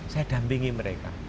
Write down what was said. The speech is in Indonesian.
saya dampingi mereka